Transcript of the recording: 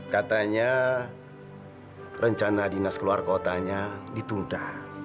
katanya rencana dinas keluar kotanya ditunda